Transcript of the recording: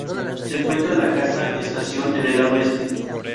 Se encuentra la casa estación en el lado este.